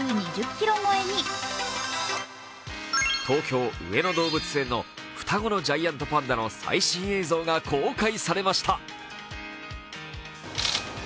東京・上野動物園の双子のジャイアントパンダの最新映像が公開されました。